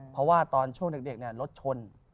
เพราะว่าตอนช่วงเด็กรถชน